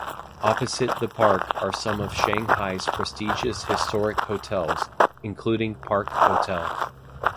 Opposite the park are some of Shanghai's prestigious historic hotels, including Park Hotel.